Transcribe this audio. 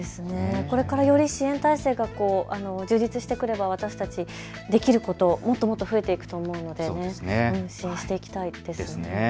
これからより支援体制が充実してくれば私たち、できること、もっともっと増えていくと思うので支援していきたいですね。